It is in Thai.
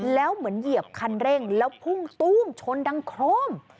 แล้วเหมือนเหยียบคันเร่งแล้วพุ่งตู้มชนดังโครม